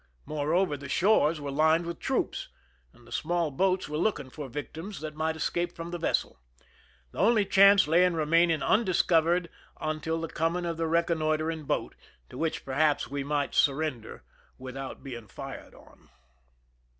Moreover, the shores were lined with troops, and the small boats were looking for victims that might escape from the vessel. The only chance lay in remaining undiscovered until the coming of the reconnoitering boat, to which, perhaps, we might surrender with out being fired on.